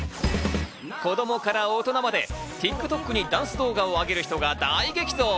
子供から大人までＴｉｋＴｏｋにダンス動画を挙げる人が大激増。